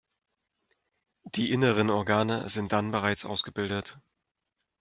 Die inneren Organe sind dann bereits ausgebildet.